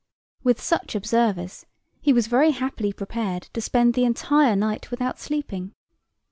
With such observers, he was very happily prepared to spend the entire night without sleeping.